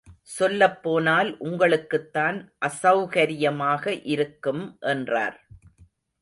சொல்லப் போனால் உங்களுக்குத்தான் அசெளகரியமாக இருக்கும் என்றார்.